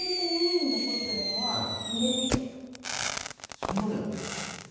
そんなのやってんの？